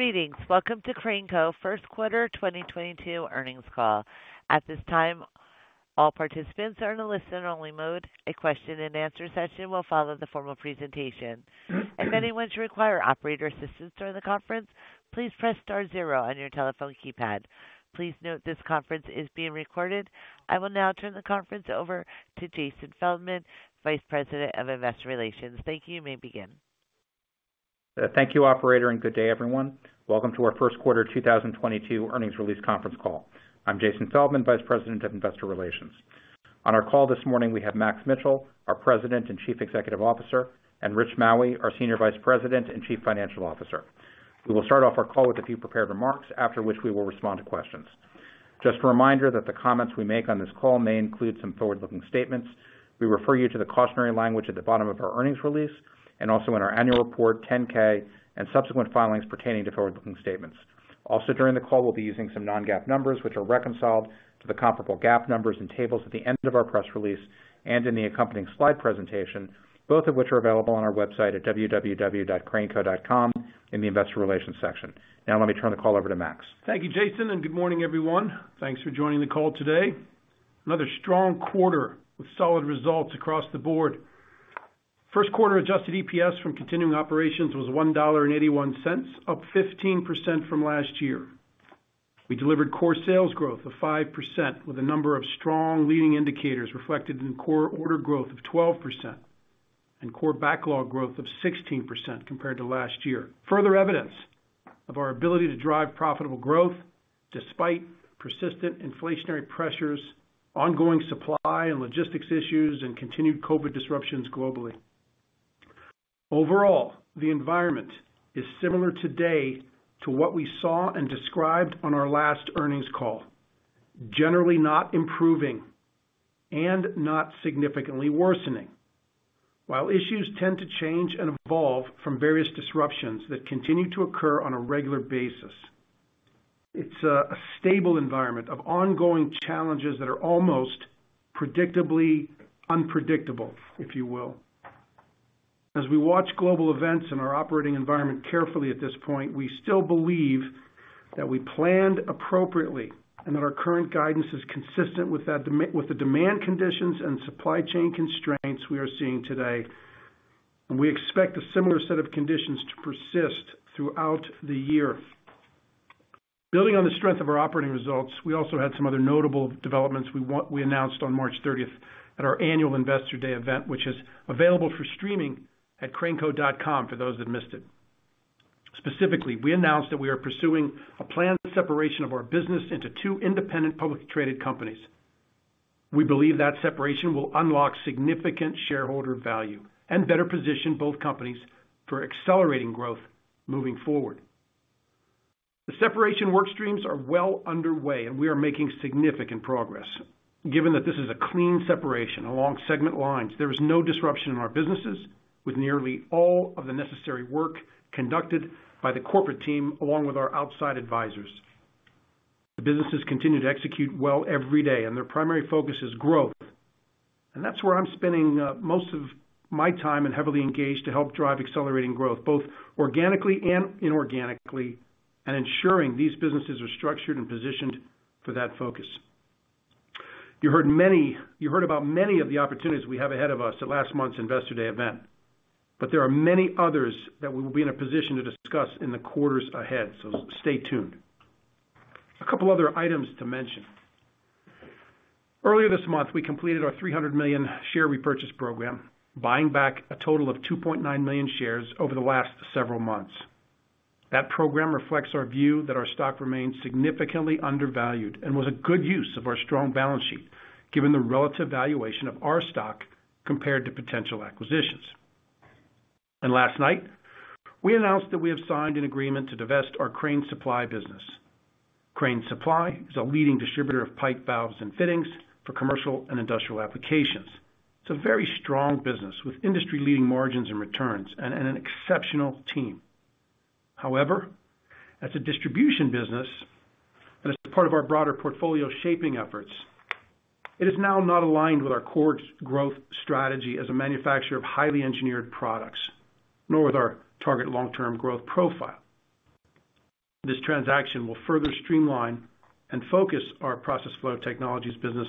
Greetings. Welcome to Crane Co. First Quarter 2022 Earnings Call. At this time, all participants are in a listen-only mode. A question and answer session will follow the formal presentation. If anyone should require operator assistance during the conference, please press star zero on your telephone keypad. Please note this conference is being recorded. I will now turn the conference over to Jason Feldman, Vice President of Investor Relations. Thank you. You may begin. Thank you, operator, and good day everyone. Welcome to our First Quarter 2022 Earnings Release Conference Call. I'm Jason Feldman, Vice President of Investor Relations. On our call this morning, we have Max Mitchell, our President and Chief Executive Officer, and Rich Maue, our Senior Vice President and Chief Financial Officer. We will start off our call with a few prepared remarks, after which we will respond to questions. Just a reminder that the comments we make on this call may include some forward-looking statements. We refer you to the cautionary language at the bottom of our earnings release and also in our annual report 10-K and subsequent filings pertaining to forward-looking statements. Also, during the call, we'll be using some non-GAAP numbers, which are reconciled to the comparable GAAP numbers and tables at the end of our press release and in the accompanying slide presentation, both of which are available on our website at www.craneco.com in the investor relations section. Now, let me turn the call over to Max. Thank you, Jason, and good morning everyone. Thanks for joining the call today. Another strong quarter with solid results across the board. First quarter adjusted EPS from continuing operations was $1.81, up 15 from last year. We delivered core sales growth of 5% with a number of strong leading indicators reflected in core order growth of 12% and core backlog growth of 16% compared to last year. Further evidence of our ability to drive profitable growth despite persistent inflationary pressures, ongoing supply and logistics issues, and continued COVID disruptions globally. Overall, the environment is similar today to what we saw and described on our last earnings call. Generally not improving and not significantly worsening. While issues tend to change and evolve from various disruptions that continue to occur on a regular basis, it's a stable environment of ongoing challenges that are almost predictably unpredictable, if you will. As we watch global events in our operating environment carefully at this point, we still believe that we planned appropriately and that our current guidance is consistent with that with the demand conditions and supply chain constraints we are seeing today, and we expect a similar set of conditions to persist throughout the year. Building on the strength of our operating results, we also had some other notable developments we announced on March 30th at our annual Investor Day event, which is available for streaming at craneco.com for those that missed it. Specifically, we announced that we are pursuing a planned separation of our business into two independent publicly traded companies. We believe that separation will unlock significant shareholder value and better position both companies for accelerating growth moving forward. The separation work streams are well underway and we are making significant progress. Given that this is a clean separation along segment lines, there is no disruption in our businesses with nearly all of the necessary work conducted by the corporate team along with our outside advisors. The businesses continue to execute well every day, and their primary focus is growth. That's where I'm spending most of my time and heavily engaged to help drive accelerating growth, both organically and inorganically, and ensuring these businesses are structured and positioned for that focus. You heard about many of the opportunities we have ahead of us at last month's Investor Day event, but there are many others that we will be in a position to discuss in the quarters ahead. So stay tuned. A couple other items to mention. Earlier this month, we completed our $300 million share repurchase program, buying back a total of 2.9 million shares over the last several months. That program reflects our view that our stock remains significantly undervalued and was a good use of our strong balance sheet, given the relative valuation of our stock compared to potential acquisitions. Last night, we announced that we have signed an agreement to divest our Crane Supply business. Crane Supply is a leading distributor of pipe valves and fittings for commercial and industrial applications. It's a very strong business with industry-leading margins and returns and an exceptional team. However, as a distribution business and as part of our broader portfolio shaping efforts, it is now not aligned with our core growth strategy as a manufacturer of highly engineered products, nor with our target long-term growth profile. This transaction will further streamline and focus our Process Flow Technologies business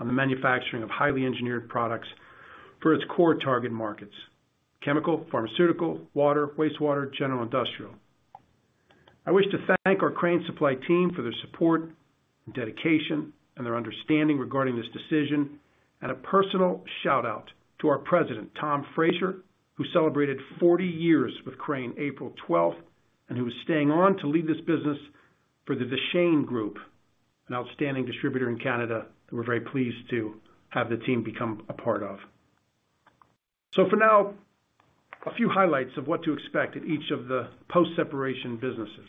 on the manufacturing of highly engineered products for its core target markets, chemical, pharmaceutical, water, wastewater, general industrial. I wish to thank our Crane Supply team for their support and dedication and their understanding regarding this decision, and a personal shout-out to our president, Tom Frazer, who celebrated 40 years with Crane, April 12, and who is staying on to lead this business for the Deschênes Group, an outstanding distributor in Canada that we're very pleased to have the team become a part of. For now, a few highlights of what to expect at each of the post-separation businesses.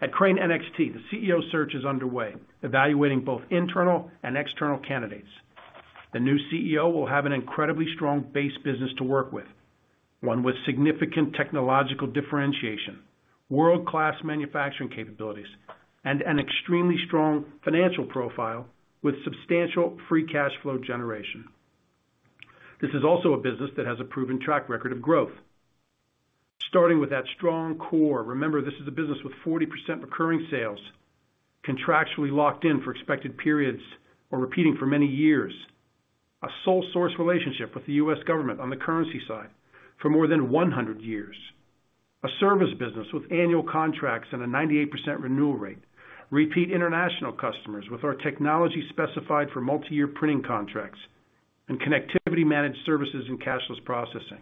At Crane NXT, the CEO search is underway, evaluating both internal and external candidates. The new CEO will have an incredibly strong base business to work with, one with significant technological differentiation, world-class manufacturing capabilities, and an extremely strong financial profile with substantial free cash flow generation. This is also a business that has a proven track record of growth. Starting with that strong core, remember this is a business with 40% recurring sales contractually locked in for expected periods or repeating for many years, a sole source relationship with the U.S. government on the currency side for more than 100 years, a service business with annual contracts and a 98% renewal rate, repeat international customers with our technology specified for multi-year printing contracts and connectivity managed services and cashless processing.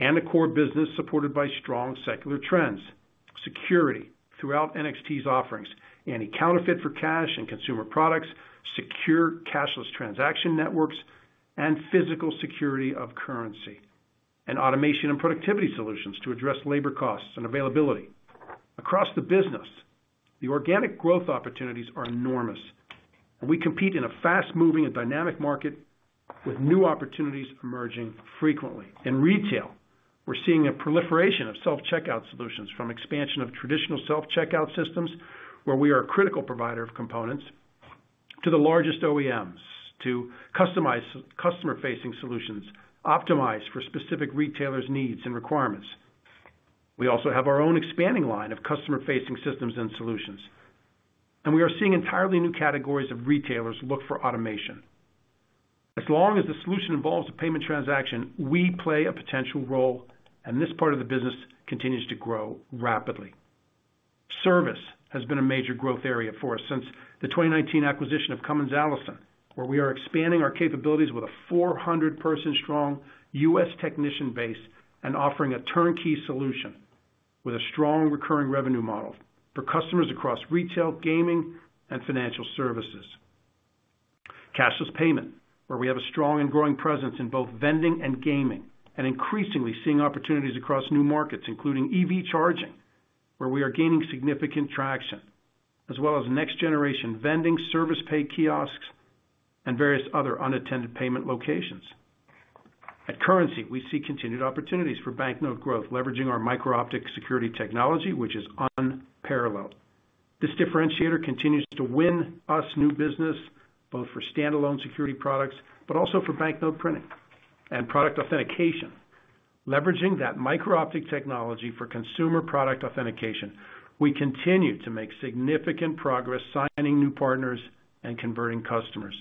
A core business supported by strong secular trends, security throughout NXT's offerings, and counterfeit protection for cash and consumer products, secure cashless transaction networks and physical security of currency. Automation and productivity solutions to address labor costs and availability. Across the business, the organic growth opportunities are enormous, and we compete in a fast-moving and dynamic market with new opportunities emerging frequently. In retail, we're seeing a proliferation of self-checkout solutions from expansion of traditional self-checkout systems, where we are a critical provider of components to the largest OEMs to customize customer-facing solutions, optimize for specific retailers' needs and requirements. We also have our own expanding line of customer-facing systems and solutions. We are seeing entirely new categories of retailers look for automation. As long as the solution involves a payment transaction, we play a potential role, and this part of the business continues to grow rapidly. Service has been a major growth area for us since the 2019 acquisition of Cummins Allison, where we are expanding our capabilities with a 400-person strong U.S. technician base and offering a turnkey solution with a strong recurring revenue model for customers across retail, gaming, and financial services. Cashless payment, where we have a strong and growing presence in both vending and gaming, and increasingly seeing opportunities across new markets, including EV charging, where we are gaining significant traction, as well as next generation vending service pay kiosks and various other unattended payment locations. At Currency, we see continued opportunities for banknote growth, leveraging our micro-optic security technology, which is unparalleled. This differentiator continues to win us new business, both for standalone security products, but also for banknote printing and product authentication. Leveraging that micro-optic technology for consumer product authentication, we continue to make significant progress signing new partners and converting customers.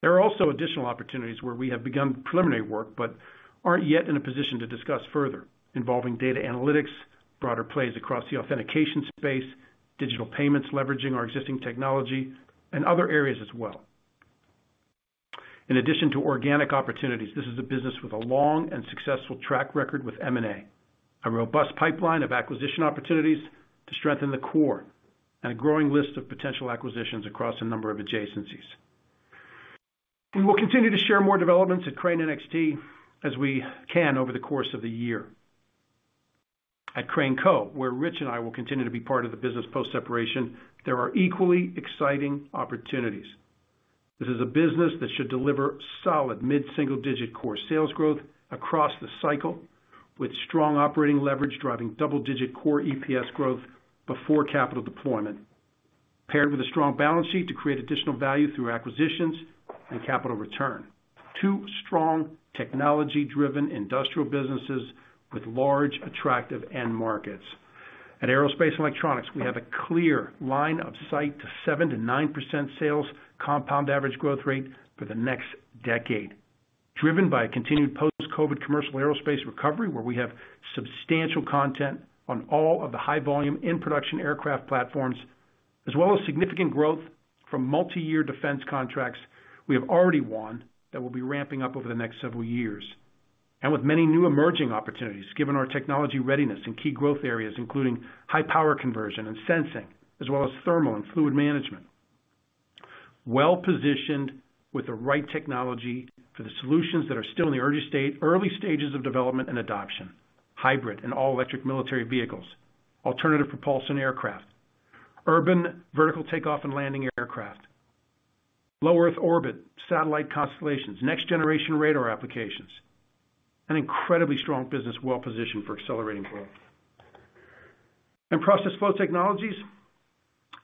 There are also additional opportunities where we have begun preliminary work, but aren't yet in a position to discuss further involving data analytics, broader plays across the authentication space, digital payments leveraging our existing technology and other areas as well. In addition to organic opportunities, this is a business with a long and successful track record with M&A, a robust pipeline of acquisition opportunities to strengthen the core, and a growing list of potential acquisitions across a number of adjacencies. We will continue to share more developments at Crane NXT as we can over the course of the year. At Crane Co., where Rich and I will continue to be part of the business post-separation, there are equally exciting opportunities. This is a business that should deliver solid mid-single-digit core sales growth across the cycle, with strong operating leverage driving double-digit core EPS growth before capital deployment, paired with a strong balance sheet to create additional value through acquisitions and capital return. Two strong technology-driven industrial businesses with large, attractive end markets. At Aerospace & Electronics, we have a clear line of sight to 7%-9% sales compound average growth rate for the next decade, driven by a continued post-Covid commercial aerospace recovery, where we have substantial content on all of the high volume in production aircraft platforms, as well as significant growth from multi-year defense contracts we have already won that will be ramping up over the next several years. With many new emerging opportunities, given our technology readiness in key growth areas, including high power conversion and sensing, as well as thermal and fluid management. Well-positioned with the right technology for the solutions that are still in the early stages of development and adoption. Hybrid and all electric military vehicles, alternative propulsion aircraft, urban vertical takeoff and landing aircraft, low Earth orbit, satellite constellations, next generation radar applications. An incredibly strong business well positioned for accelerating growth. In Process Flow Technologies,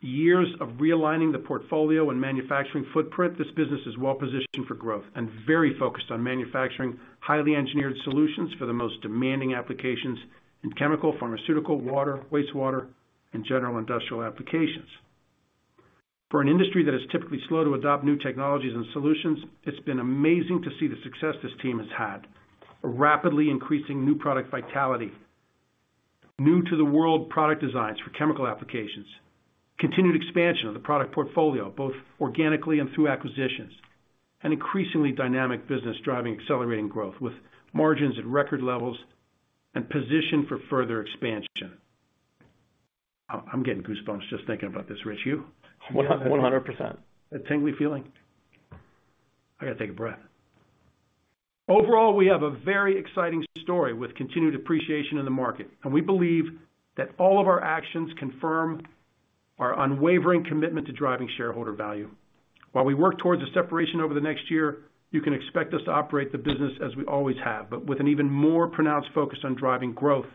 years of realigning the portfolio and manufacturing footprint. This business is well positioned for growth and very focused on manufacturing highly engineered solutions for the most demanding applications in chemical, pharmaceutical, water, wastewater, and general industrial applications. For an industry that is typically slow to adopt new technologies and solutions, it's been amazing to see the success this team has had. A rapidly increasing new product vitality, new to the world product designs for chemical applications, continued expansion of the product portfolio, both organically and through acquisitions, an increasingly dynamic business driving accelerating growth with margins at record levels and positioned for further expansion. I'm getting goosebumps just thinking about this, Rich. You? 100%. That tingly feeling? I gotta take a breath. Overall, we have a very exciting story with continued appreciation in the market, and we believe that all of our actions confirm our unwavering commitment to driving shareholder value. While we work towards a separation over the next year, you can expect us to operate the business as we always have, but with an even more pronounced focus on driving growth.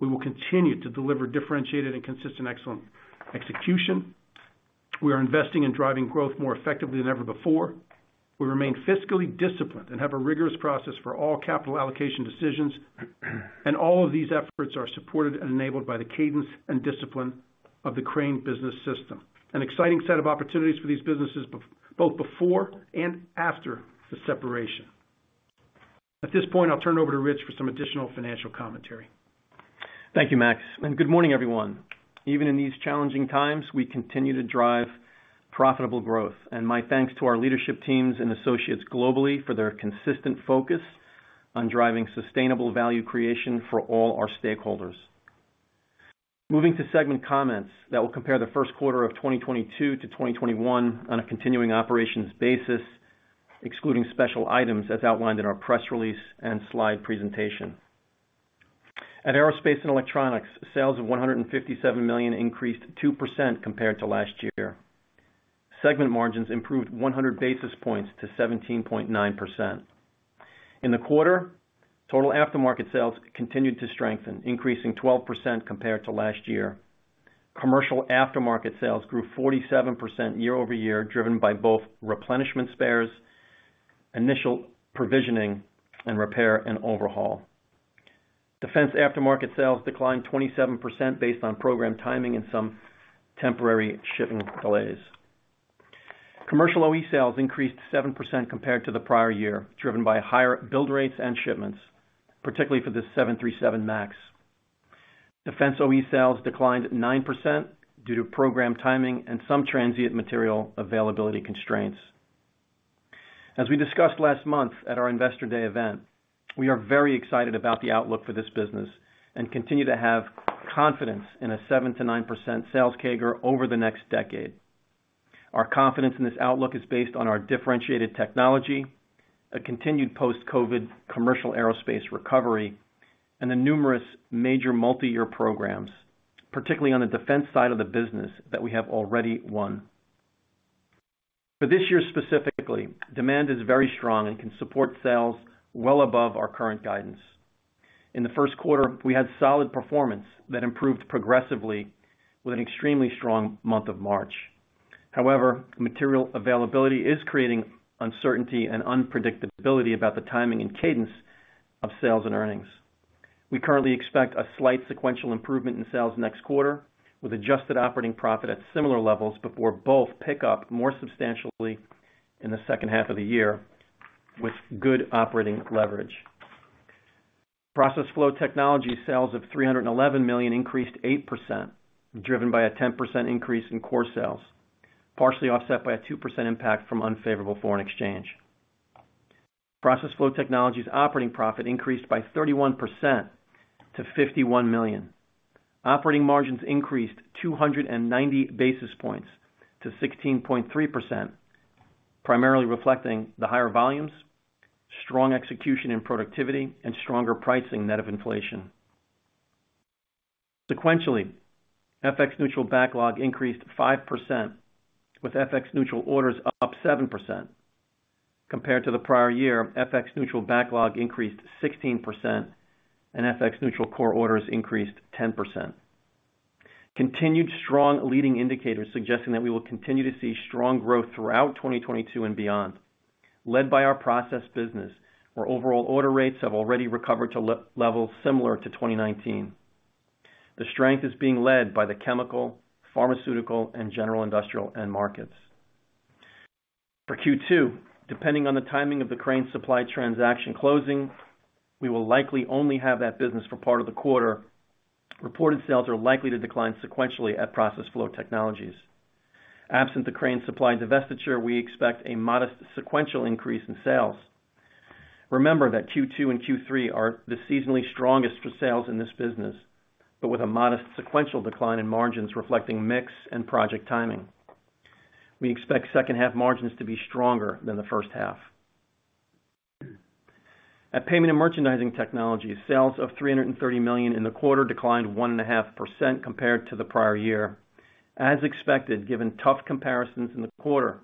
We will continue to deliver differentiated and consistent excellent execution. We are investing in driving growth more effectively than ever before. We remain fiscally disciplined and have a rigorous process for all capital allocation decisions. All of these efforts are supported and enabled by the cadence and discipline of the Crane Business System. An exciting set of opportunities for these businesses both before and after the separation. At this point, I'll turn it over to Rich for some additional financial commentary. Thank you, Max, and good morning, everyone. Even in these challenging times, we continue to drive profitable growth. My thanks to our leadership teams and associates globally for their consistent focus on driving sustainable value creation for all our stakeholders. Moving to segment comments that will compare the first quarter of 2022 to 2021 on a continuing operations basis, excluding special items as outlined in our press release and slide presentation. At Aerospace & Electronics, sales of $157 million increased 2% compared to last year. Segment margins improved 100 basis points to 17.9%. In the quarter, total aftermarket sales continued to strengthen, increasing 12% compared to last year. Commercial aftermarket sales grew 47% year-over-year, driven by both replenishment spares, initial provisioning, and repair and overhaul. Defense aftermarket sales declined 27% based on program timing and some temporary shipping delays. Commercial OE sales increased 7% compared to the prior year, driven by higher build rates and shipments, particularly for the 737 MAX. Defense OE sales declined 9% due to program timing and some transient material availability constraints. As we discussed last month at our Investor Day event, we are very excited about the outlook for this business and continue to have confidence in a 7%-9% sales CAGR over the next decade. Our confidence in this outlook is based on our differentiated technology, a continued post-COVID commercial aerospace recovery, and the numerous major multiyear programs, particularly on the defense side of the business, that we have already won. For this year specifically, demand is very strong and can support sales well above our current guidance. In the first quarter, we had solid performance that improved progressively with an extremely strong month of March. However, material availability is creating uncertainty and unpredictability about the timing and cadence of sales and earnings. We currently expect a slight sequential improvement in sales next quarter, with adjusted operating profit at similar levels before both pick up more substantially in the second half of the year with good operating leverage. Process Flow Technologies sales of $311 million increased 8%, driven by a 10% increase in core sales, partially offset by a 2% impact from unfavorable foreign exchange. Process Flow Technologies's operating profit increased by 31% to $51 million. Operating margins increased 290 basis points to 16.3%, primarily reflecting the higher volumes, strong execution and productivity, and stronger pricing net of inflation. Sequentially, FX neutral backlog increased 5%, with FX neutral orders up 7%. Compared to the prior year, FX neutral backlog increased 16%, and FX neutral core orders increased 10%. Continued strong leading indicators suggesting that we will continue to see strong growth throughout 2022 and beyond, led by our process business, where overall order rates have already recovered to levels similar to 2019. The strength is being led by the chemical, pharma, and industrial end markets. For Q2, depending on the timing of the Crane Supply transaction closing, we will likely only have that business for part of the quarter. Reported sales are likely to decline sequentially at Process Flow Technologies. Absent the Crane Supply divestiture, we expect a modest sequential increase in sales. Remember that Q2 and Q3 are the seasonally strongest for sales in this business, but with a modest sequential decline in margins reflecting mix and project timing. We expect second half margins to be stronger than the first half. At Payment & Merchandising Technologies, sales of $330 million in the quarter declined 1.5% compared to the prior year, as expected, given tough comparisons in the quarter,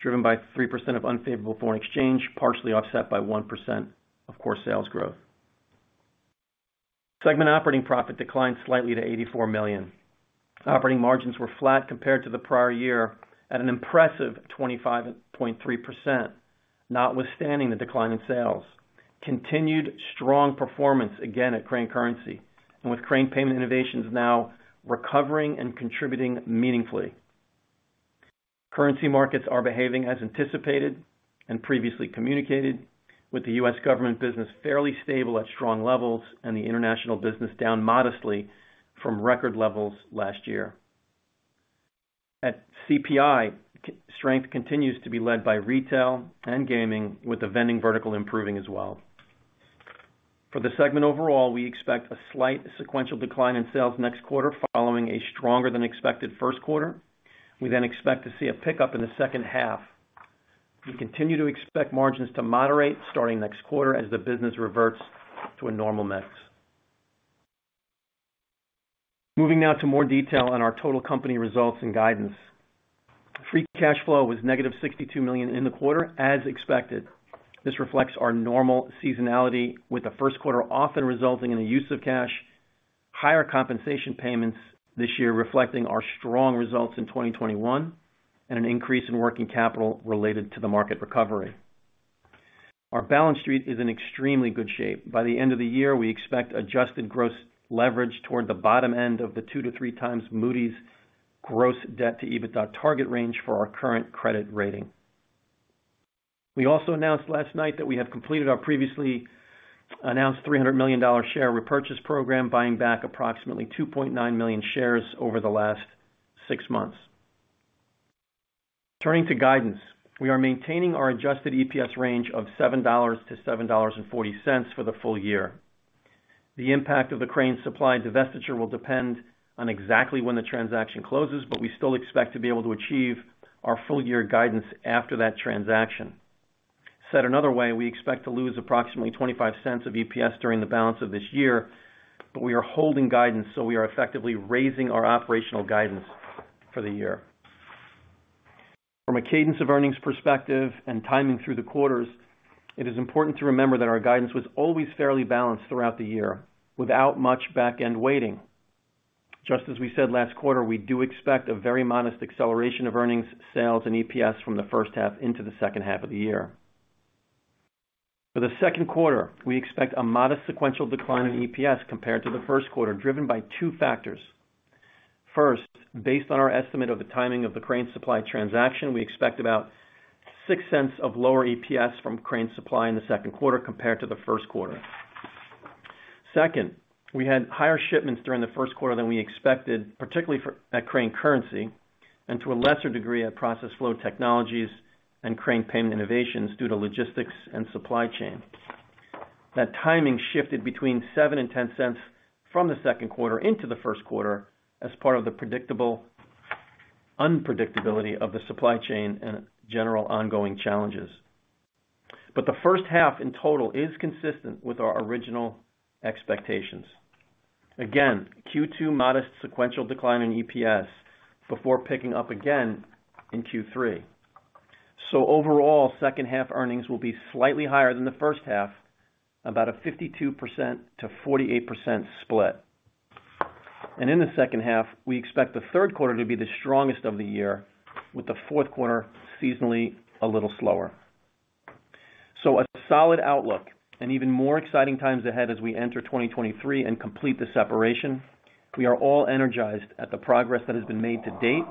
driven by 3% unfavorable foreign exchange, partially offset by 1% core sales growth. Segment operating profit declined slightly to $84 million. Operating margins were flat compared to the prior year at an impressive 25.3%, notwithstanding the decline in sales. Continued strong performance again at Crane Currency, and with Crane Payment Innovations now recovering and contributing meaningfully. Currency markets are behaving as anticipated and previously communicated, with the U.S. government business fairly stable at strong levels and the international business down modestly from record levels last year. At CPI, strength continues to be led by retail and gaming, with the vending vertical improving as well. For the segment overall, we expect a slight sequential decline in sales next quarter following a stronger than expected first quarter. We then expect to see a pickup in the second half. We continue to expect margins to moderate starting next quarter as the business reverts to a normal mix. Moving now to more detail on our total company results and guidance. Free cash flow was negative $62 million in the quarter as expected. This reflects our normal seasonality, with the first quarter often resulting in the use of cash, higher compensation payments this year, reflecting our strong results in 2021, and an increase in working capital related to the market recovery. Our balance sheet is in extremely good shape. By the end of the year, we expect adjusted gross leverage toward the bottom end of the 2-3x Moody's gross debt to EBITDA target range for our current credit rating. We also announced last night that we have completed our previously announced $300 million share repurchase program, buying back approximately 2.9 million shares over the last six months. Turning to guidance, we are maintaining our adjusted EPS range of $7-$7.40 for the full year. The impact of the Crane Supply divestiture will depend on exactly when the transaction closes, but we still expect to be able to achieve our full year guidance after that transaction. Said another way, we expect to lose approximately $0.25 of EPS during the balance of this year, but we are holding guidance, so we are effectively raising our operational guidance for the year. From a cadence of earnings perspective and timing through the quarters, it is important to remember that our guidance was always fairly balanced throughout the year without much back-end weighting. Just as we said last quarter, we do expect a very modest acceleration of earnings, sales and EPS from the first half into the second half of the year. For the second quarter, we expect a modest sequential decline in EPS compared to the first quarter, driven by 2 factors. First, based on our estimate of the timing of the Crane Supply transaction, we expect about $0.06 of lower EPS from Crane Supply in the second quarter compared to the first quarter. Second, we had higher shipments during the first quarter than we expected, particularly at Crane Currency and to a lesser degree at Process Flow Technologies and Crane Payment Innovations due to logistics and supply chain. That timing shifted between $0.07 and $0.10 from the second quarter into the first quarter as part of the predictable unpredictability of the supply chain and general ongoing challenges. The first half in total is consistent with our original expectations. Again, Q2 modest sequential decline in EPS before picking up again in Q3. Overall, second half earnings will be slightly higher than the first half, about a 52%-48% split. In the second half, we expect the third quarter to be the strongest of the year, with the fourth quarter seasonally a little slower. A solid outlook and even more exciting times ahead as we enter 2023 and complete the separation. We are all energized at the progress that has been made to date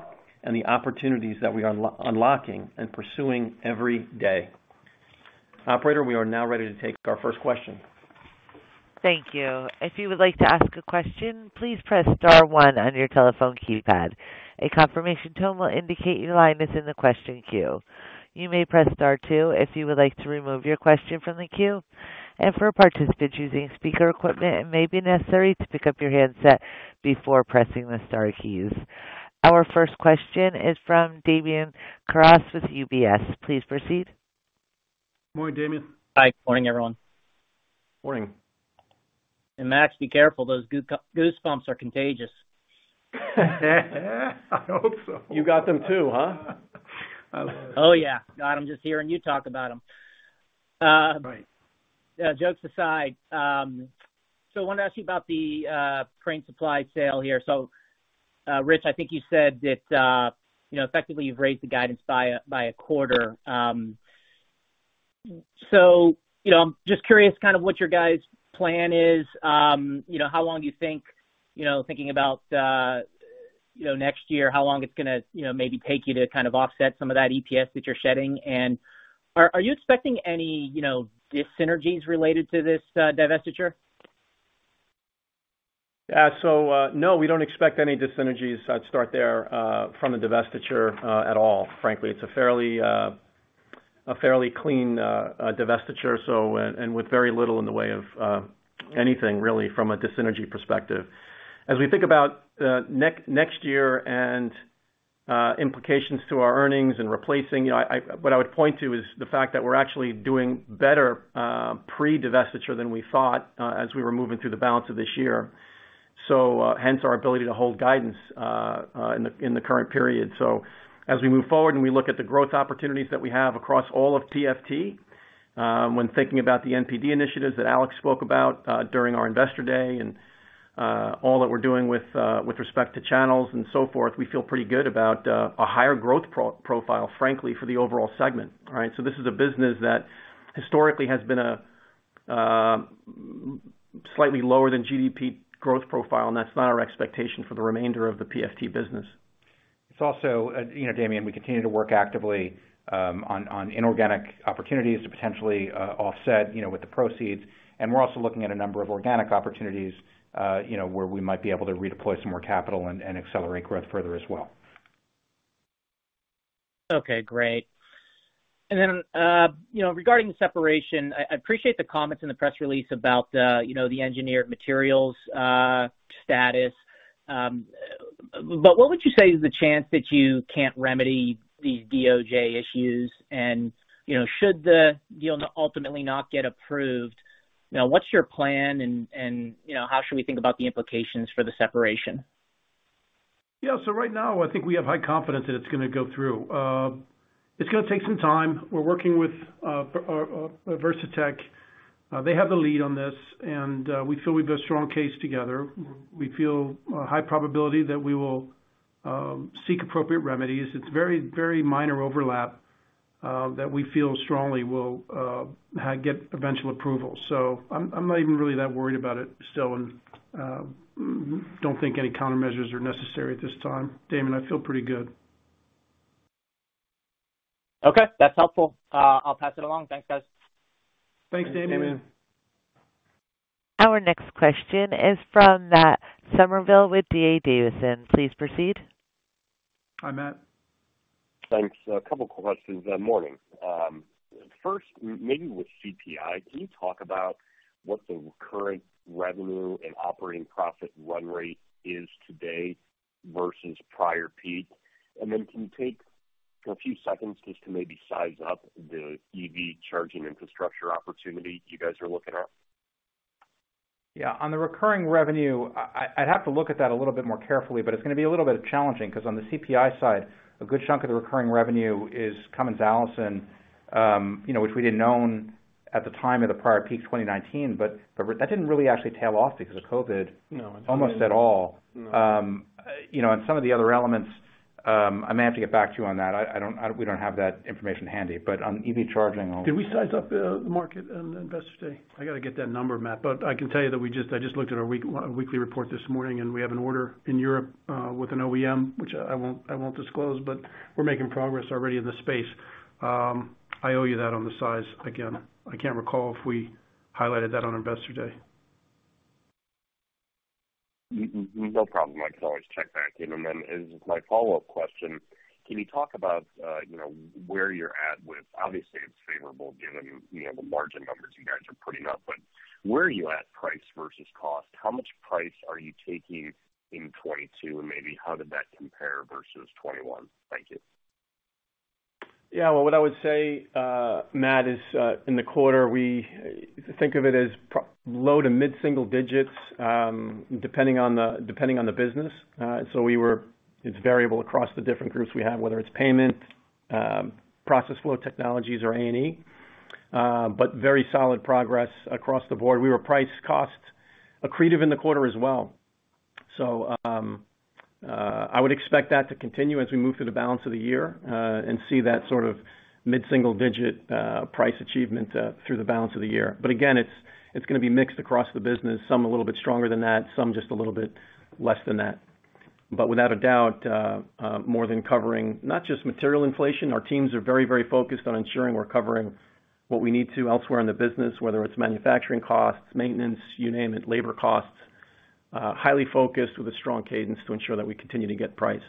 and the opportunities that we are unlocking and pursuing every day. Operator, we are now ready to take our first question. Thank you. If you would like to ask a question, please press star one on your telephone keypad. A confirmation tone will indicate your line is in the question queue. You may press star two if you would like to remove your question from the queue. For participants using speaker equipment, it may be necessary to pick up your handset before pressing the star keys. Our first question is from Damian Karas with UBS. Please proceed. Morning, Damian. Hi. Good morning, everyone. Morning. Max, be careful, those goosebumps are contagious. I hope so. You got them too, huh? Oh, yeah. Got them just hearing you talk about them. Right. Jokes aside, I wanted to ask you about the Crane Supply sale here. Rich, I think you said that you know, effectively you've raised the guidance by a quarter. You know, I'm just curious kind of what your guys' plan is. You know, how long do you think, you know, thinking about, you know, next year, how long it's gonna, you know, maybe take you to kind of offset some of that EPS that you're shedding? Are you expecting any, you know, dis-synergies related to this divestiture? Yeah. No, we don't expect any dis-synergies. I'd start there from the divestiture at all. Frankly, it's a fairly clean divestiture, and with very little in the way of anything really from a dis-synergy perspective. As we think about next year and implications to our earnings and replacing, you know, what I would point to is the fact that we're actually doing better pre-divestiture than we thought as we were moving through the balance of this year. Hence our ability to hold guidance in the current period. As we move forward and we look at the growth opportunities that we have across all of PFT, when thinking about the NPD initiatives that Alex spoke about during our Investor Day and all that we're doing with respect to channels and so forth, we feel pretty good about a higher growth profile, frankly, for the overall segment, right? This is a business that historically has been a slightly lower than GDP growth profile, and that's not our expectation for the remainder of the PFT business. It's also, you know, Damian, we continue to work actively on inorganic opportunities to potentially offset, you know, with the proceeds. We're also looking at a number of organic opportunities, you know, where we might be able to redeploy some more capital and accelerate growth further as well. Okay, great. You know, regarding the separation, I appreciate the comments in the press release about, you know, the Engineered Materials status. But what would you say is the chance that you can't remedy these DOJ issues? You know, should the deal ultimately not get approved. Now, what's your plan and, you know, how should we think about the implications for the separation? Yeah. Right now, I think we have high confidence that it's gonna go through. It's gonna take some time. We're working with Verzatec. They have the lead on this, and we feel we've a strong case together. We feel a high probability that we will seek appropriate remedies. It's very, very minor overlap that we feel strongly will get eventual approval. I'm not even really that worried about it still, and don't think any countermeasures are necessary at this time. Damian, I feel pretty good. Okay, that's helpful. I'll pass it along. Thanks, guys. Thanks, Damian. Our next question is from Matt Summerville with D.A. Davidson. Please proceed. Hi, Matt. Thanks. A couple of questions. Morning. First, maybe with CPI, can you talk about what the current revenue and operating profit run rate is today versus prior peak? Can you take a few seconds just to maybe size up the EV charging infrastructure opportunity you guys are looking at? Yeah. On the recurring revenue, I'd have to look at that a little bit more carefully, but it's gonna be a little bit challenging because on the CPI side, a good chunk of the recurring revenue is Cummins Allison, you know, which we didn't know at the time of the prior peak, 2019, but that didn't really actually tail off because of COVID- No... almost at all. You know, some of the other elements, I may have to get back to you on that. We don't have that information handy, but on EV charging. Did we size up the market on the Investor Day? I got to get that number, Matt, but I can tell you that I just looked at our weekly report this morning, and we have an order in Europe with an OEM, which I won't disclose, but we're making progress already in the space. I owe you that on the size. Again, I can't recall if we highlighted that on Investor Day. No problem. I can always check back. Then as my follow-up question, can you talk about, you know, where you're at with obviously it's favorable given, you know, the margin numbers you guys are putting up, but where are you at price versus cost? How much price are you taking in 2022, and maybe how did that compare versus 2021? Thank you. Yeah. Well, what I would say, Matt, is in the quarter, we think of it as low to mid-single digits, depending on the business. It's variable across the different groups we have, whether it's payment, Process Flow Technologies or A&E, but very solid progress across the board. We were price cost accretive in the quarter as well. I would expect that to continue as we move through the balance of the year, and see that sort of mid-single digit price achievement through the balance of the year. Again, it's gonna be mixed across the business, some a little bit stronger than that, some just a little bit less than that. Without a doubt, more than covering not just material inflation, our teams are very, very focused on ensuring we're covering what we need to elsewhere in the business, whether it's manufacturing costs, maintenance, you name it, labor costs, highly focused with a strong cadence to ensure that we continue to get price.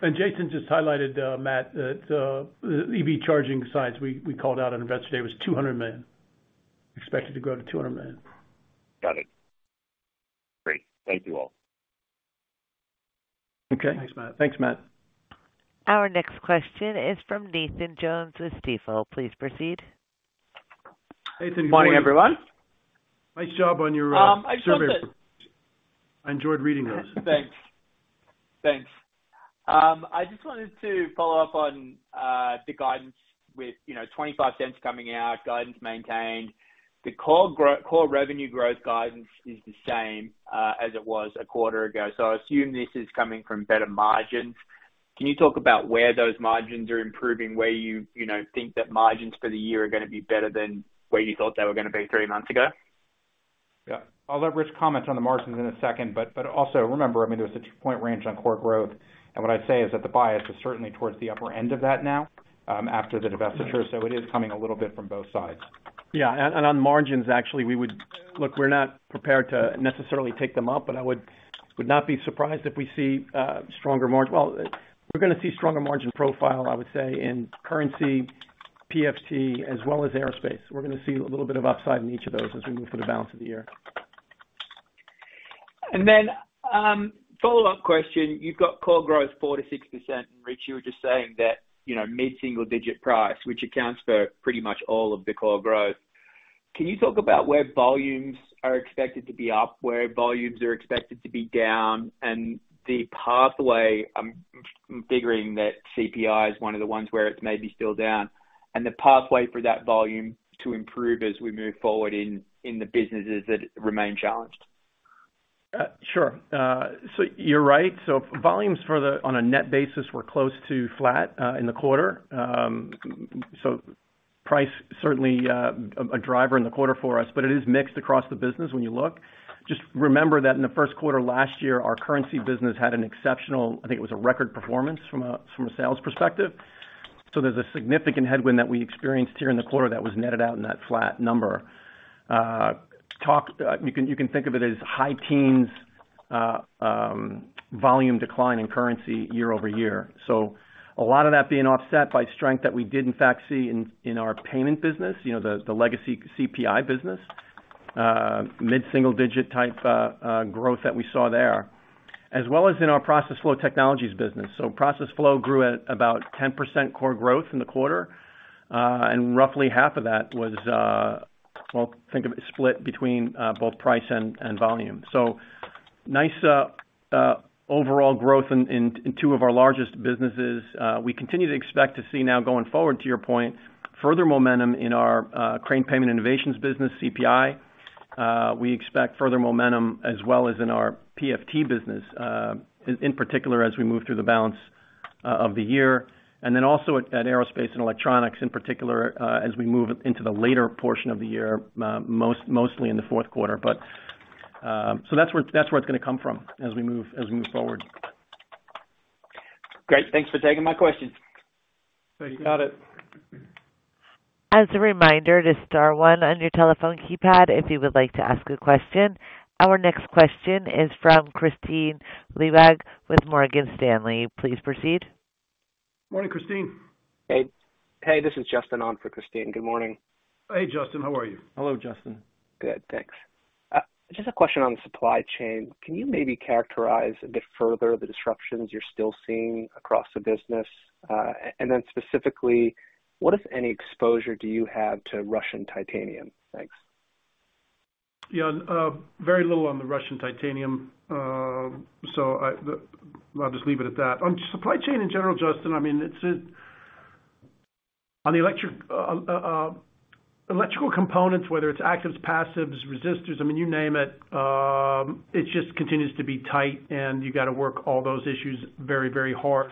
Jason just highlighted, Matt, that EV charging size we called out on Investor Day was $200 million. Expected to grow to $200 million. Got it. Great. Thank you all. Okay. Thanks, Matt. Thanks, Matt. Our next question is from Nathan Jones with Stifel. Please proceed. Hey, Nathan Jones. Good morning, everyone. Nice job on your survey. I just wanted- I enjoyed reading those. Thanks. I just wanted to follow up on the guidance with you know $0.25 coming out, guidance maintained. The core revenue growth guidance is the same as it was a quarter ago. I assume this is coming from better margins. Can you talk about where those margins are improving, where you you know think that margins for the year are gonna be better than where you thought they were gonna be three months ago? Yeah. I'll let Rich comment on the margins in a second. also remember, I mean, there was a two-point range on core growth, and what I'd say is that the bias is certainly towards the upper end of that now, after the divestiture. It is coming a little bit from both sides. Yeah. On margins, actually, we're not prepared to necessarily take them up, but I would not be surprised if we see stronger margin. Well, we're gonna see stronger margin profile, I would say, in currency, PFT, as well as aerospace. We're gonna see a little bit of upside in each of those as we move through the balance of the year. Follow-up question, you've got core growth 4%-6%. Rich, you were just saying that, you know, mid-single-digit price, which accounts for pretty much all of the core growth. Can you talk about where volumes are expected to be up, where volumes are expected to be down, and the pathway? I'm figuring that CPI is one of the ones where it's maybe still down, and the pathway for that volume to improve as we move forward in the businesses that remain challenged? Sure. You're right. Volumes on a net basis were close to flat in the quarter. Price certainly a driver in the quarter for us, but it is mixed across the business when you look. Just remember that in the first quarter last year, our currency business had an exceptional, I think it was a record performance from a sales perspective. There's a significant headwind that we experienced here in the quarter that was netted out in that flat number. You can think of it as high teens volume decline in currency year-over-year. A lot of that being offset by strength that we did in fact see in our payment business, you know, the legacy CPI business, mid-single digit type growth that we saw there, as well as in our Process Flow Technologies business. Process Flow grew at about 10% core growth in the quarter, and roughly half of that was, well, think of it split between both price and volume. Nice overall growth in two of our largest businesses. We continue to expect to see now going forward, to your point, further momentum in our Crane Payment Innovations business, CPI. We expect further momentum as well as in our PFT business, in particular as we move through the balance of the year. Then also at Aerospace & Electronics in particular, as we move into the later portion of the year, mostly in the fourth quarter. That's where it's gonna come from as we move forward. Great. Thanks for taking my questions. Thank you. You got it. As a reminder to star one on your telephone keypad if you would like to ask a question. Our next question is from Kristine Liwag with Morgan Stanley. Please proceed. Morning, Kristine. Hey. Hey, this is Justin on for Kristine. Good morning. Hey, Justin, how are you? Hello, Justin. Good, thanks. Just a question on supply chain. Can you maybe characterize a bit further the disruptions you're still seeing across the business? Specifically, what, if any, exposure do you have to Russian titanium? Thanks. Yeah. Very little on the Russian titanium. I'll just leave it at that. On supply chain in general, Justin, I mean, it's on the electrical components, whether it's actives, passives, resistors, I mean, you name it just continues to be tight and you gotta work all those issues very, very hard.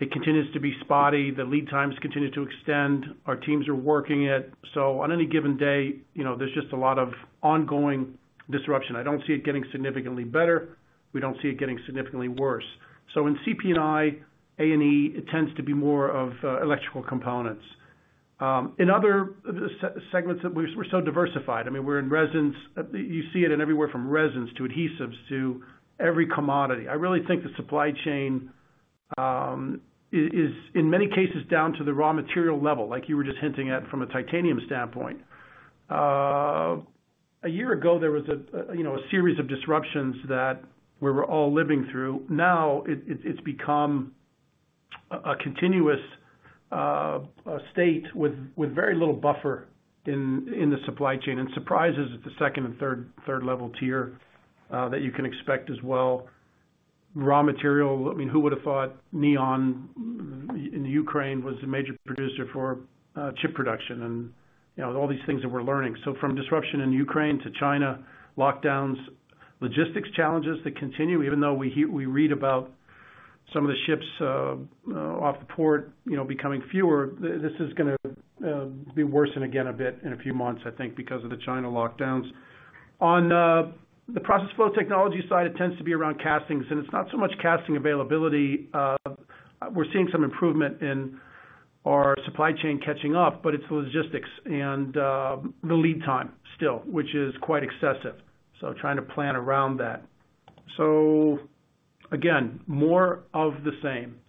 It continues to be spotty. The lead times continue to extend. Our teams are working it. On any given day, you know, there's just a lot of ongoing disruption. I don't see it getting significantly better. We don't see it getting significantly worse. In CP&I, A&E, it tends to be more of electrical components. In other segments that we're so diversified, I mean, we're in resins. You see it everywhere from resins to adhesives to every commodity. I really think the supply chain is in many cases down to the raw material level, like you were just hinting at from a titanium standpoint. A year ago, there was, you know, a series of disruptions that we were all living through. Now it's become a continuous state with very little buffer in the supply chain and surprises at the second and third level tier that you can expect as well. Raw material. I mean, who would have thought neon in Ukraine was a major producer for chip production and, you know, all these things that we're learning. From disruption in Ukraine to China lockdowns, logistics challenges that continue, even though we read about some of the ships off the port, you know, becoming fewer, this is gonna be worsened again a bit in a few months, I think, because of the China lockdowns. On the Process Flow Technologies side, it tends to be around castings, and it's not so much casting availability. We're seeing some improvement in our supply chain catching up, but it's logistics and the lead time still, which is quite excessive. Trying to plan around that. Again, more of the same.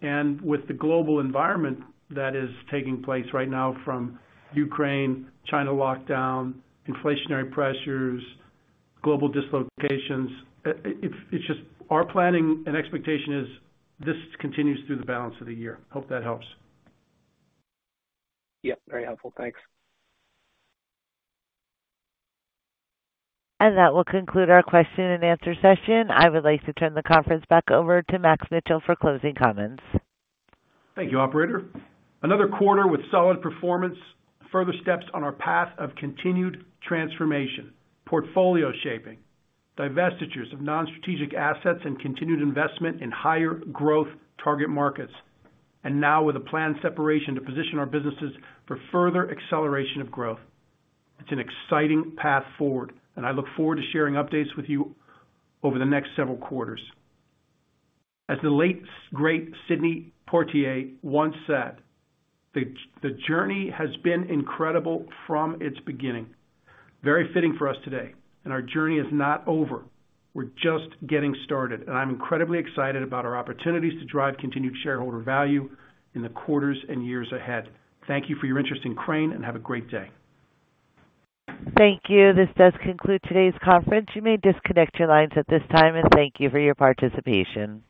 With the global environment that is taking place right now from Ukraine, China lockdown, inflationary pressures, global dislocations, it's just our planning and expectation is this continues through the balance of the year. Hope that helps. Yeah, very helpful. Thanks. That will conclude our question and answer session. I would like to turn the conference back over to Max Mitchell for closing comments. Thank you, operator. Another quarter with solid performance, further steps on our path of continued transformation, portfolio shaping, divestitures of non-strategic assets, and continued investment in higher growth target markets. Now with a planned separation to position our businesses for further acceleration of growth. It's an exciting path forward, and I look forward to sharing updates with you over the next several quarters. As the late great Sidney Poitier once said, "The journey has been incredible from its beginning." Very fitting for us today. Our journey is not over. We're just getting started. I'm incredibly excited about our opportunities to drive continued shareholder value in the quarters and years ahead. Thank you for your interest in Crane, and have a great day. Thank you. This does conclude today's conference. You may disconnect your lines at this time, and thank you for your participation.